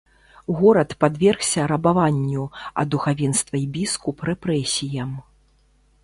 Горад падвергся рабаванню, а духавенства і біскуп рэпрэсіям.